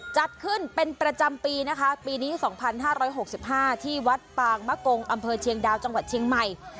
จัดขึ้นเป็นประจำปีนะคะปีนี้๒๕๖๕ที่วัดปางมะกงอำเภอเชียงดาวจังหวัดเชียงใหม่